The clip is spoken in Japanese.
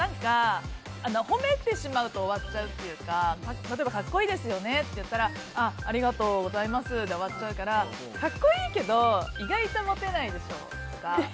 褒めてしまうと終わってしまうというか例えば格好いいですねって言ったらありがとうございますで終わっちゃうから、格好いいけど意外とモテないでしょとか。